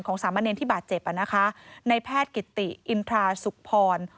สามะเนรที่บาดเจ็บในแพทย์กิติอินทราสุขพร